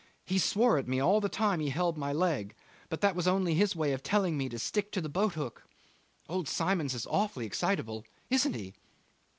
He swore at me all the time he held my leg, but that was only his way of telling me to stick to the boat hook. Old Symons is awfully excitable isn't he?